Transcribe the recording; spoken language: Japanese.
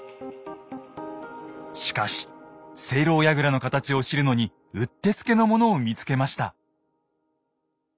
しかし井楼やぐらの形を知るのにうってつけのものを見つけました。